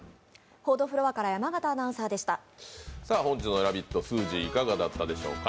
本日の「ラヴィット！」、すーじー、いかがだったでしょうか？